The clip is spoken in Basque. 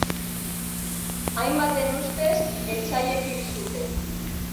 Hainbaten ustez, etsaiek hil zuten.